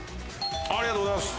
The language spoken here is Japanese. ありがとうございます。